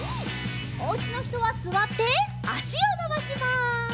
おうちのひとはすわってあしをのばします。